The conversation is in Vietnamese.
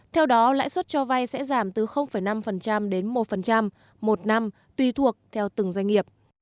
theo đó lãi suất cho vay sẽ giảm từ năm đến một một năm tùy thuộc theo từng doanh nghiệp